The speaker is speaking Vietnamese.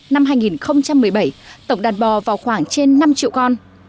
năm hai nghìn một mươi bảy tổng đàn bò vào khoảng trên năm triệu con